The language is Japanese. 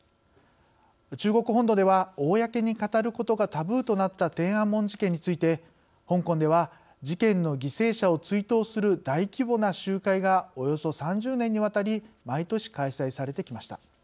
中国本土では公に語ることがタブーとなった天安門事件について香港では事件の犠牲者を追悼する大規模な集会がおよそ３０年にわたり毎年開催されてきました。